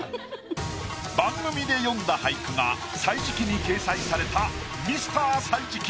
番組で詠んだ俳句が「歳時記」に掲載されたミスター「歳時記」